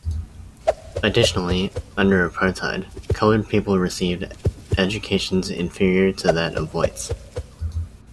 Additionally, under apartheid, Coloured people received educations inferior to that of Whites.